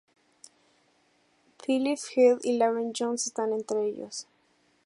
Phillip Heath y Lauren Jones están entre ellos.